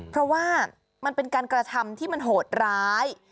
เพราะว่ามันเป็นการกระทำที่มันโหดร้าย